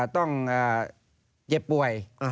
ต้องเจ็บป่วย